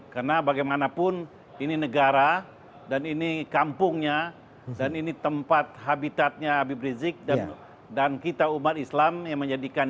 karena bagaimanapun ini negara dan ini kampungnya dan ini tempat habitatnya rizik sihab dan kita umat islam yang menjadikan